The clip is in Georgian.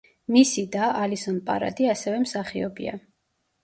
მისი და, ალისონ პარადი ასევე მსახიობია.